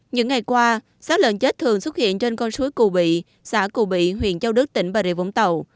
những ngày qua sát lợn chết thường xuất hiện trên con suối cù bị xã cù bị huyện châu đức tỉnh bà rịa vũng tàu